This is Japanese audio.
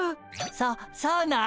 そそうなん？